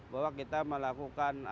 bahwa kita melakukan